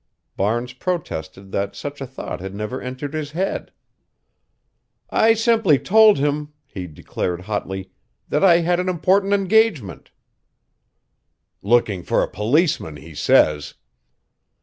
Barnes protested that such a thought had never entered his head. "I simply told him," he declared hotly, "that I had an important engagement" "Looking for a policeman, he says."